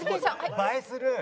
映えする。